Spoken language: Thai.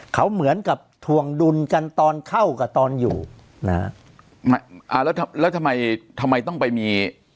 เขาเหมือนกับทวงดุลกันตอนเข้ากับตอนอยู่นะฮะอ่าแล้วแล้วทำไมทำไมต้องไปมี